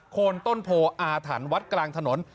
โคนต้นโพออาถรรพ์วัดกลางถนน